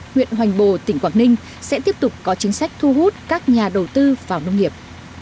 huyện hoành bồ tỉnh quảng ninh sẽ tiếp tục có chính sách thu hút các nhà đầu tư vào nông nghiệp